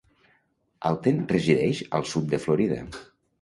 Alten resideix al sud de Florida.